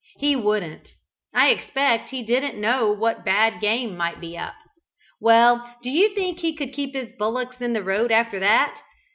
He wouldn't. I expect he didn't know what bad game might be up. Well, do you think he could keep his bullocks in the road, after that?